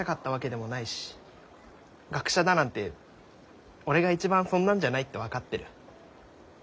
学者だなんて俺が一番そんなんじゃないって分かってる。